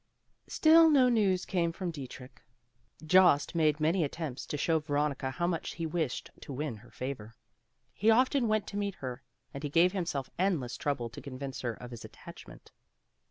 Still no news came from Dietrich. Jost made many attempts to show Veronica how much he wished to win her favor. He often went to meet her, and he gave himself endless trouble to convince her of his attachment.